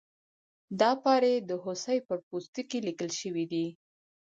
دا پارې د هوسۍ پر پوستکي لیکل شوي دي.